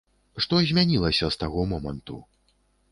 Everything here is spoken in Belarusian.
Што змянілася з таго моманту?